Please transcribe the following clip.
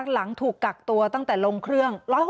หลังถูกกักตัวตั้งแต่ลงเครื่อง